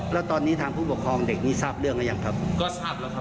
แล้วตอนนี้ทางผู้ปกครองเด็กนี่ทราบเรื่องหรือยังครับก็ทราบแล้วครับ